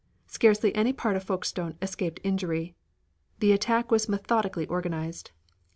Scarcely any part of Folkestone escaped injury. The attack was methodically organized.